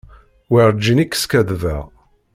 Werǧin i k-skaddbeɣ.